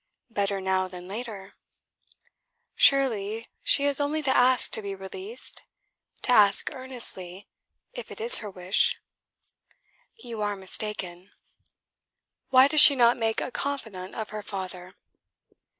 "Better now than later." "Surely she has only to ask to be released? to ask earnestly: if it is her wish." "You are mistaken." "Why does she not make a confidant of her father?"